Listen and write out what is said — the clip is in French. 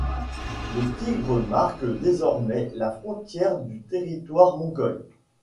Le Tigre marque désormais la frontière du territoire mongol.